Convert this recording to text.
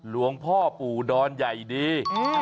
หลวงพ่อปู่ดอนใหญ่ดี